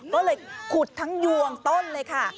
ก็เลยขุดทั้งยวงต้นเลยค่ะ